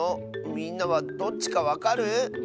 みんなはどっちかわかる？